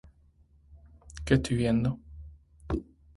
La Mure-Argens